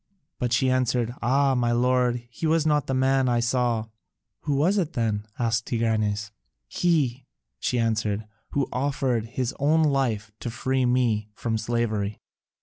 But she answered, "Ah, my lord, he was not the man I saw." "Who was it then?" asked Tigranes. "He," she answered, "who offered his own life to free me from slavery."